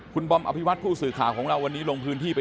เป็นเจ้าของร้านอะ